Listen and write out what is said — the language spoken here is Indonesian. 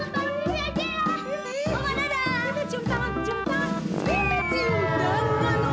makanya aku mau baca schedule aku